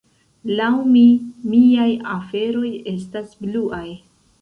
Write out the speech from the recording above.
"Laŭ mi, miaj aferoj estas bluaj."